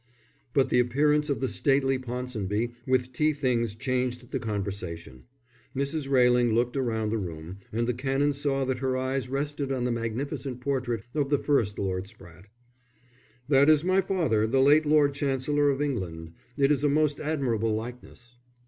But the appearance of the stately Ponsonby with tea things changed the conversation. Mrs. Railing looked round the room, and the Canon saw that her eyes rested on the magnificent portrait of the first Lord Spratte. "That is my father, the late Lord Chancellor of England. It is a most admirable likeness."